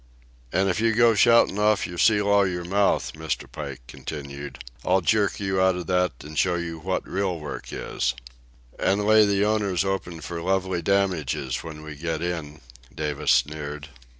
"And if you go to shoutin' off your sea lawyer mouth," Mr. Pike continued, "I'll jerk you out of that and show you what real work is." "An' lay the owners open for lovely damages when we get in," Davis sneered.